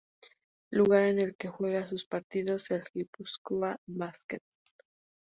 Lugar en el que juega sus partidos el Gipuzkoa Basket.